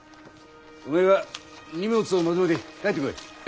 お前は荷物をまとめて帰ってこい。え？